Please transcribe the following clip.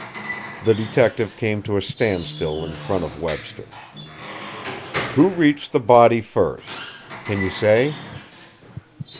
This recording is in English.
The detective came to a standstill in front of Webster. "Who reached the body first? Can you say?"